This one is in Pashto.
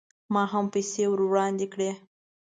ما هم پیسې ور وړاندې کړې.